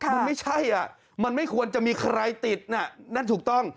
มันไม่ใช่มันไม่ควรจะมีใครติดน่ะนั่นถูกต้อง